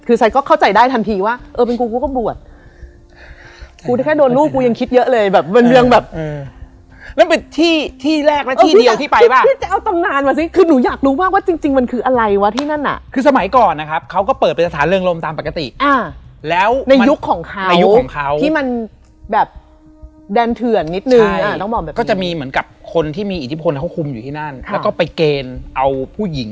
เอออยากเล่นเพื่อย่าเราเชื่อเราเชื่อในสิ่งเดียวกันกับที่พี่อุ๋ยอยากนำเสนอ